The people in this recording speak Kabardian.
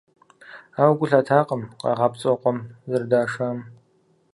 Ауэ гу лъатакъым къагъапцӏэу къуэм зэрыдашам.